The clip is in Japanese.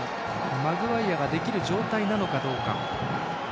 マグワイアができる状態なのかどうか。